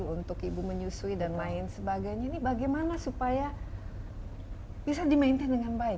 untuk ibu menyusui dan lain sebagainya ini bagaimana supaya bisa di maintain dengan baik